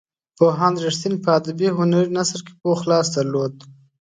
پوهاند رښتین په ادبي هنري نثر کې پوخ لاس درلود.